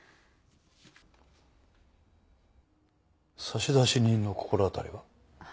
差出人の心当たりは？